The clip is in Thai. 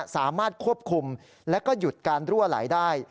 สามารถควบคุมและก็หยุดการรั่วไหลได้